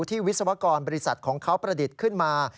วิศวกรบริษัทของเขาประดิษฐ์ขึ้นมา